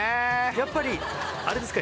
やっぱりあれですか？